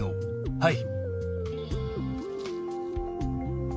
はい。